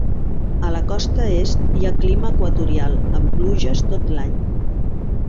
A la costa est, hi ha clima equatorial, amb pluges tot l'any.